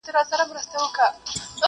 چي لیدلی مي په کومه ورځ کابل دی.